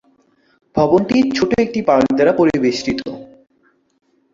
ভবনটি ছোট একটি পার্ক দ্বারা পরিবেষ্টিত।